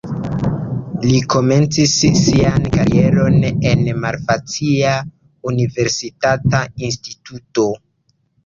Li komencis sian karieron en farmacia universitata instituto.